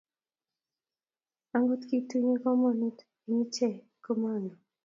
ango kitunye kamonut eng icheek ko mongen